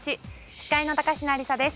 司会の高階亜理沙です。